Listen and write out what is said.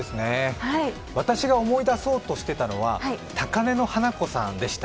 私が思い出そうとしてたのは「高嶺の花子さん」でした。